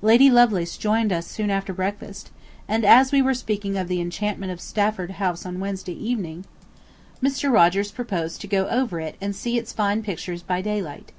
Lady Lovelace joined us soon after breakfast, and as we were speaking of the enchantment of Stafford House on Wednesday evening, Mr. Rogers proposed to go over it and see its fine pictures by daylight.